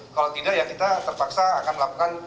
kalau tidak ya kita terpaksa akan melakukan